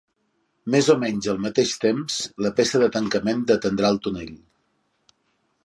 Més o menys al mateix temps, la peça de tancament detendrà el tonell .